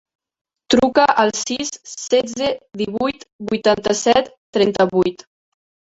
Truca al sis, setze, divuit, vuitanta-set, trenta-vuit.